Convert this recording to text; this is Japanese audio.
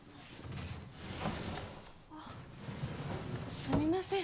あっすみません